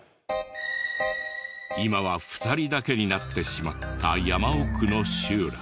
今は２人だけになってしまった山奥の集落。